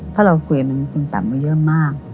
เพราะเราคุยมันเป็นปัญหาเยอะมาก